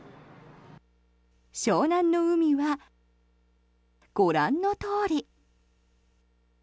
湘南の海はご覧のとおり。